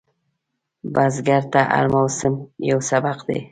بزګر ته هر موسم یو سبق دی